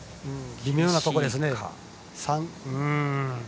微妙なところですね。